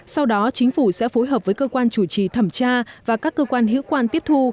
sau đó chính phủ sẽ phối hợp với cơ quan chủ trì thẩm tra và các cơ quan hữu quan tiếp thu